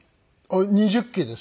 ２０期です。